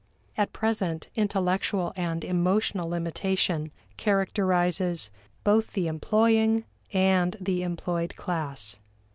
At present, intellectual and emotional limitation characterizes both the employing and the employed class.